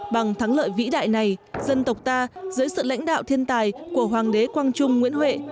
bằng thắng lợi vĩ đại này dân tộc ta dưới sự lãnh đạo thiên tài của hoàng đế quang trung nguyễn huệ